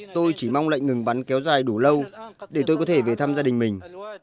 tôi chỉ mong lệnh ngừng bắn kéo dài đủ lâu để tôi có thể về thăm gia đình mình